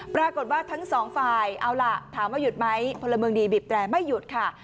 ปรากฏว่าทั้งสองฝ่ายเอาล่ะถามว่าหยุดไหมพลเมืองดีบีบแตรไม่หยุดค่ะ